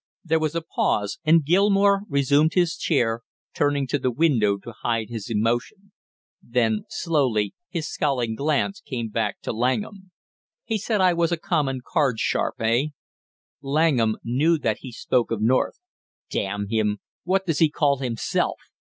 There was a pause, and Gilmore resumed his chair, turning to the window to hide his emotion; then slowly his scowling glance came back to Langham. "He said I was a common card sharp, eh?" Langham knew that he spoke of North. "Damn him! What does he call himself?"